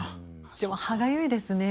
でも歯がゆいですね。